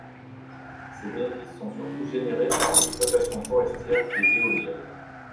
Ses bénéfices sont surtout générés par l'exploitation forestière et éolienne.